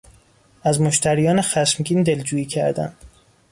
از مشتریان خشمگین دلجویی کردن